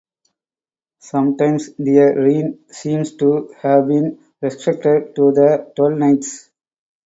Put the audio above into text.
Sometimes their reign seems to have been restricted to the Twelve Nights.